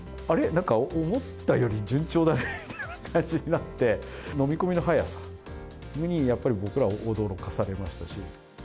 なんか思ったより順調だねみたいな感じになって、飲み込みの早さに、やっぱり僕らも驚かされましたし。